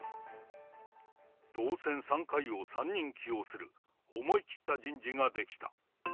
当選３回を３人起用する、思い切った人事ができた。